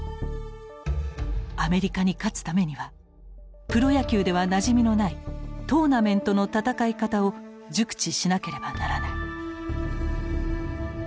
アメリカに勝つためにはプロ野球ではなじみのないトーナメントの戦い方を熟知しなければならない。